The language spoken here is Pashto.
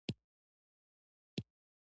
پښتون د مظلوم ملګری دی.